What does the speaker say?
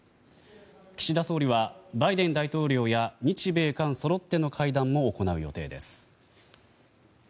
岸田総理はバイデン大統領や日米韓そろっての会談も行う予定です。